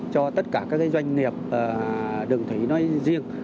cho tất cả các doanh nghiệp đường thủy nói riêng